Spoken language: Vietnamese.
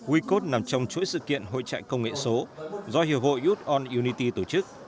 wicode nằm trong chuỗi sự kiện hội trại công nghệ số do hiệp hội youth on unity tổ chức